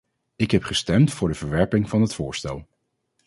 Ik heb gestemd voor de verwerping van het voorstel.